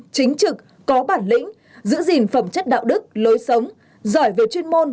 chính trực có bản lĩnh giữ gìn phẩm chất đạo đức lối sống giỏi về chuyên môn